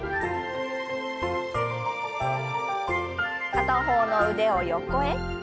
片方の腕を横へ。